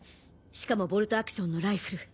しかもボルトアクションのライフル。